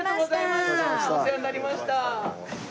お世話になりました。